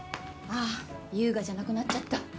あぁ優雅じゃなくなっちゃった。